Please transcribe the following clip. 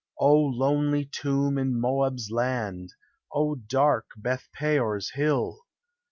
O lonely tomb in Moab's land! O dark Beth peor's hill!